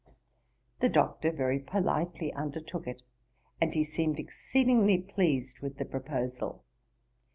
The Doctor very politely undertook it, and seemed exceedingly pleased with the proposal.